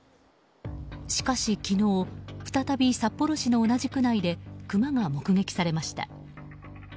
しかし、昨日再び札幌市の同じ区内でクマが目撃されました。